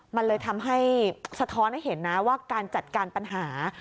มันเลยทำให้สะท้อนให้เห็นนะว่าการจัดการปัญหา